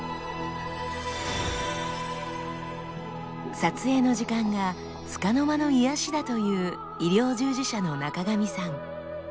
撮影の時間がつかの間の癒やしだという医療従事者の中神さん。